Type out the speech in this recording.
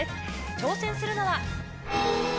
挑戦するのは。